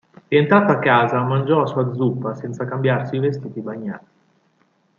Rientrato a casa mangiò la sua zuppa senza cambiarsi i vestiti bagnati.